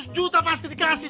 gak ada apa apa sih